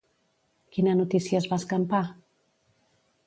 Quina notícia es va escampar?